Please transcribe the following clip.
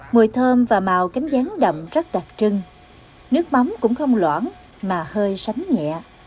mùi thơm và màu cánh rán đậm rất đặc trưng nước mắm cũng không loãng mà hơi sánh nhẹ